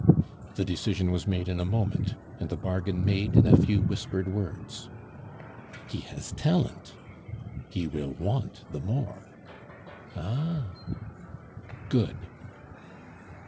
The decision was made in a moment, and the bargain made in a few whispered words. "He has talent." "He will want the more." "Ah?" "Good!"